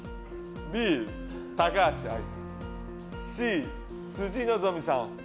Ｂ、高橋愛さんＣ、辻希美さん